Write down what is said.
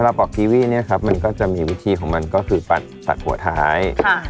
บอกทีวีเนี่ยครับมันก็จะมีวิธีของมันก็คือตัดหัวท้าย